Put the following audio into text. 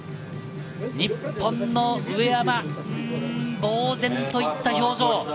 日本の上山、ぼうぜんといった表情。